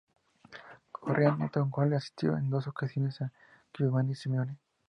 Correa anotó un gol y asistió en dos ocasiones a Giovanni Simeone.